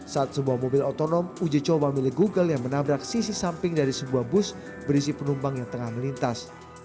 saat sebuah mobil otonom uji coba milik google yang menabrak sisi samping dari sebuah bus berisi penumpang yang tengah melintas